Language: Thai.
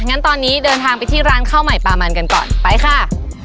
งั้นตอนนี้เดินทางไปที่ร้านข้าวใหม่ปลามันกันก่อนไปค่ะ